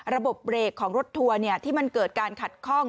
ระบบเบรกของรถทัวร์ที่มันเกิดการขัดข้อง